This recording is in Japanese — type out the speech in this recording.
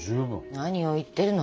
何を言ってるの。